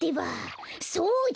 そうだ！